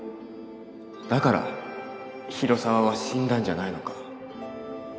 だから広沢は死んだんじゃないのか